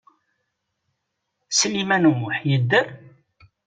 Sliman U Muḥ yedder?